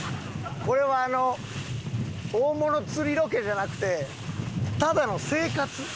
これは大物釣りロケじゃなくてただの生活。